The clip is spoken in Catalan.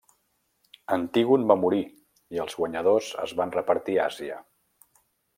Antígon va morir i els guanyadors es van repartir Àsia.